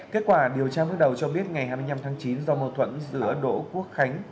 kết quả điều tra bước đầu cho biết ngày hai mươi năm tháng chín do mâu thuẫn giữa đỗ quốc khánh